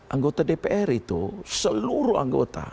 anggota dpr itu seluruh anggota